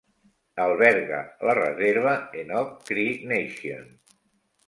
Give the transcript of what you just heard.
Alberga la reserva Enoch Cree Nation.